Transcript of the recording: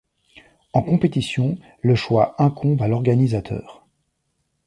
En compétition, le choix incombe à l'organisateur.